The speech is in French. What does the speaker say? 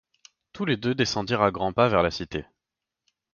Tous deux descendirent à grands pas vers la Cité.